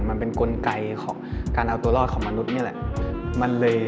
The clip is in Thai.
มันเป็นกลไกของการเอาตัวรอดของมนุษย์นี่แหละ